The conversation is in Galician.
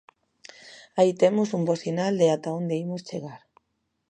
Aí temos un bo sinal de ata onde imos chegar.